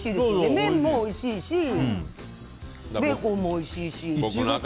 麺もおいしいしベーコンもおいしいし。